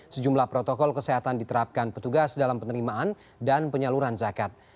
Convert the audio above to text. sejumlah protokol kesehatan diterapkan petugas dalam penerimaan dan penyaluran zakat